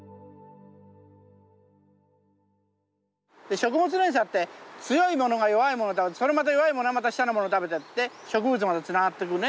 食物連鎖って強い者が弱い者を食べてそのまた弱い者がまた下の者を食べてって植物までつながってくね